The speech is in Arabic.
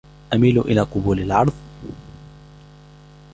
أميل إلى قبول العرض.